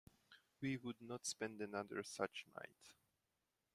We would not spend another such night.